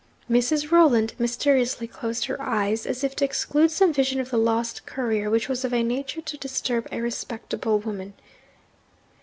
Mrs. Rolland mysteriously closed her eyes as if to exclude some vision of the lost courier which was of a nature to disturb a respectable woman.